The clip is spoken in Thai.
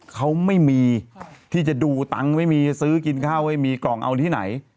เขาไม่มีที่จะดูตังค์ไม่มีซื้อกินข้าวไม่มีกล่องเอาที่ไหน